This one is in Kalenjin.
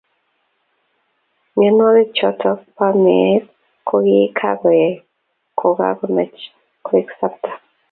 Mionwogiichotok bo meet kokikakoyai kokachuchan koek sapta